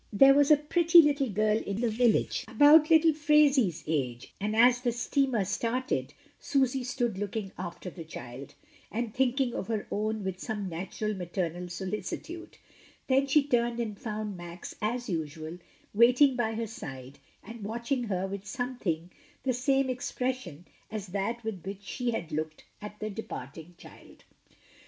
There was a pretty little girl in a village night cap on board, about little Phraisie's age, and as the steamer started, Susy stood looking after the child, and thinking of her own with some natural maternal solicitude; then she turned and found Max as usual waiting by her side and watching her with some thing the same expression as that with which she had looked at the departing child.